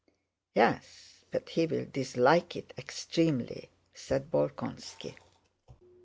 "Yes, but he will dislike it extremely," said Bolkónski.